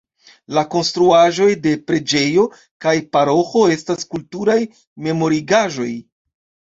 La konstruaĵoj de preĝejo kaj paroĥo estas kulturaj memorigaĵoj.